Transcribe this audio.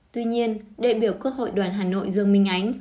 tuy nhiên đại biểu quốc hội đoàn hà nội dương minh ánh